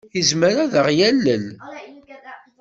Yezmer ad aɣ-yalel?